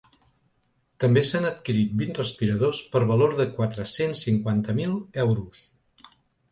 També s’han adquirit vint respiradors per valor de quatre-cents cinquanta mil euros.